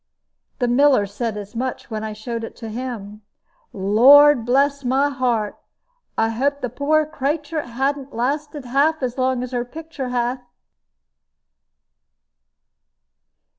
The miller said as much when I showed it to him. "Lord bless my heart! I hope the poor craitur' hathn't lasted half so long as her pictur' hath."